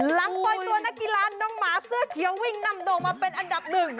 ปล่อยตัวนักกีฬาน้องหมาเสื้อเขียววิ่งนำโด่งมาเป็นอันดับหนึ่ง